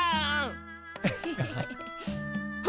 ハハハ。